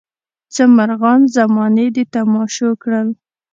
څه مرغان زمانې د تماشو کړل.